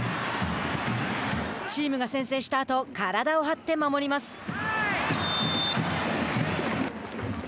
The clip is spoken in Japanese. チームが先制したあと体を張って守ります。